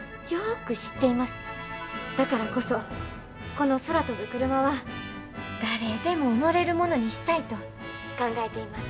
だからこそこの空飛ぶクルマは誰でも乗れるものにしたいと考えています。